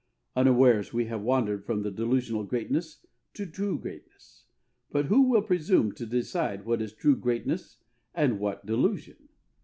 Unawares we have wandered from the delusional greatness to true greatness. But who will presume to decide what is true greatness and what delusion?